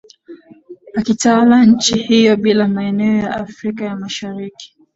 akitawala nchi hiyo bila maeneo ya Afrika ya Mashariki